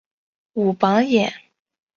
武榜眼。